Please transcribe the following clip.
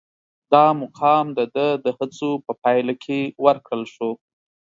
دا مقام د ده د هڅو په پایله کې ورکړل شو.